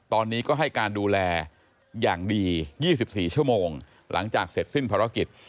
ตอนนี้ก็ให้การดูแลอย่างดี๒๔ชั่วโมงหลังจากเสร็จสิ้นภารกิจ